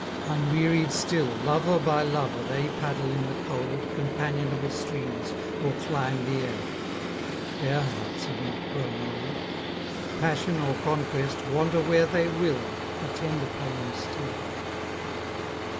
Unwearied still, lover by lover, They paddle in the cold, Companionable streams or climb the air; Their hearts have not grown old; Passion or conquest, wander where they will, Attend upon them still.